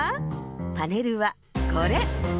パネルはこれ。